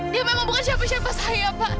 dia memang bukan siapa siapa saja saya